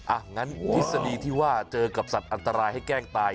อ่ะงั้นทฤษฎีที่ว่าเจอกับสัตว์อันตรายให้แกล้งตาย